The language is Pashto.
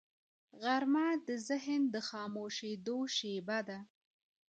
غرمه د ذهن د خاموشیدو شیبه ده